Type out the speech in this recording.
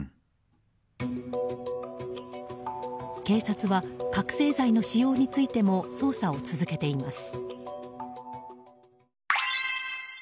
警察は覚醒剤の使用についても捜査を続けています。